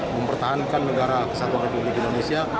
mempertahankan negara kesatuan republik indonesia